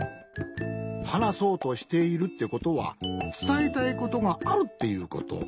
はなそうとしているってことはつたえたいことがあるっていうこと。